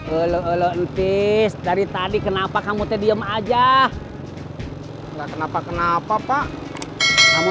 elo elo ntis dari tadi kenapa kamu teh diem aja enggak kenapa kenapa pak kamu